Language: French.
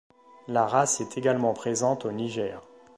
La race est également présente au Niger.